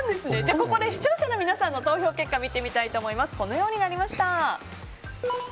ここで視聴者の皆さんの投票結果見てみたいと思います。